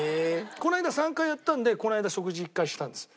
この間３回やったのでこの間食事１回したんです。